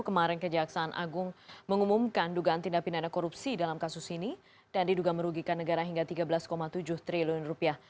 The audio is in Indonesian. kemarin kejaksaan agung mengumumkan dugaan tindak pindahan korupsi dalam kasus ini dan diduga merugikan negara hingga tiga belas tujuh triliun rupiah